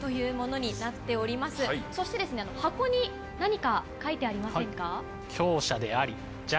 そして箱に何か書いてありませんか？